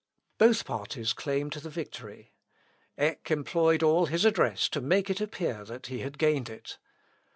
] Both parties claimed the victory. Eck employed all his address to make it appear that he had gained it.